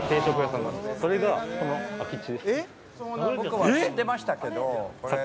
「僕は知ってましたけど」